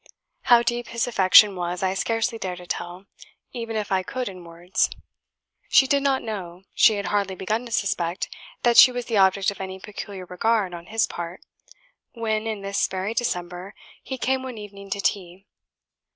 How deep his affection was I scarcely dare to tell, even if I could in words. She did not know she had hardly begun to suspect that she was the object of any peculiar regard on his part, when, in this very December, he came one evening to tea.